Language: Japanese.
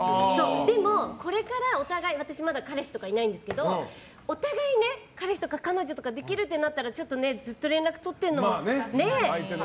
でも、これからお互い私まだ彼氏とかいないんですけどお互い、彼氏とか彼女ができるってなったらちょっとねずっと連絡とってるのも、ね。